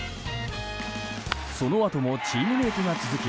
そのあともチームメートが続き。